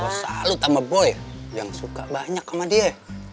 masa lu sama boy yang suka banyak sama dia